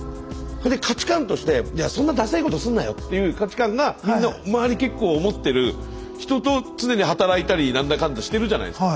価値観としてそんなダサいことすんなよっていう価値観がみんな周り結構思ってる人と常に働いたり何だかんだしてるじゃないですか。